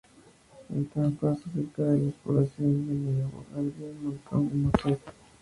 El Tarn pasa cerca de las poblaciones de Millau, Albi, Montauban y Moissac.